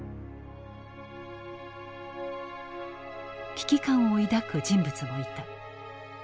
危機感を抱く人物もいた。